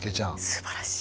すばらしい。